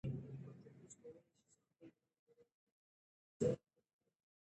ماشومان منډې وهي او ټوپونه وهي.